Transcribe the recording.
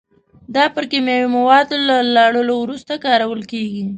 دا پر کیمیاوي موادو له لړلو وروسته کارول کېږي.